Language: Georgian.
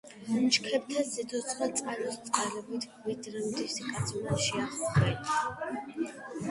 ჩქეფდა სიცოცხლე წყაროს წყალივით, ვიდრემდის კაცმან შეახო ხელი.